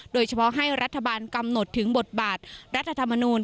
โดยเฉพาะให้รัฐบาลกำหนดถึงบทบาทรัฐธรรมนูล